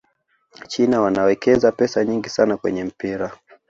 china wanawekeza pesa nyingi sana kwenye mpira